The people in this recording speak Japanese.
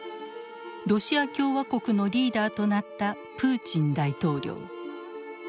ロシア共和国のリーダーとなったプーチン大統領。